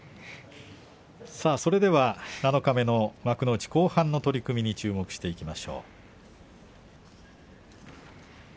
それでは七日目の幕内後半の取組に注目していきましょう。